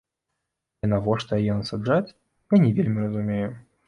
Але навошта яе насаджаць, я не вельмі разумею.